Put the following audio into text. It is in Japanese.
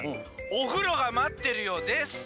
「おふろがまってるよ」です。